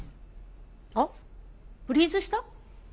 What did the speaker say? あっフリーズした？